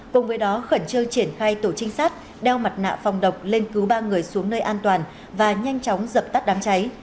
cùng với đó khẩn trương triển khai tổ trinh sát đeo mặt nạ phòng độc lên cứu ba người xuống nơi an toàn và nhanh chóng dập tắt đám cháy